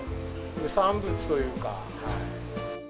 副産物というか。